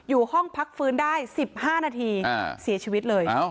อยู่ห้องพักฟื้นได้๑๕นาทีเสียชีวิตเลย